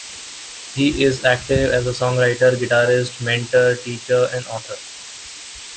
He is active as a songwriter, guitarist, mentor, teacher, and author.